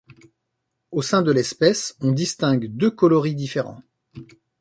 Au sein de l'espèce, on distingue deux coloris différent.